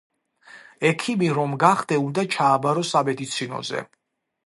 ექიმი რომ გახდე უნდა ჩააბარო სამედიცინოზე.